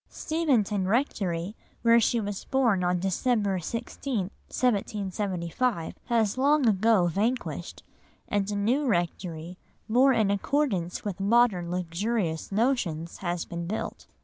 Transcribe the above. Steventon Rectory, where she was born on December 16, 1775, has long ago vanished, and a new rectory, more in accordance with modern luxurious notions, has been built.